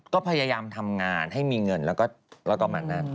ก็พยายามทำงานให้มีเงินแล้วก็ประมาณนั้น